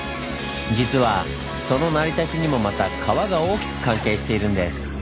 実はその成り立ちにもまた川が大きく関係しているんです！